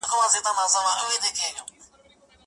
زما پر ټوله وجود واک و اختیار ستا دی-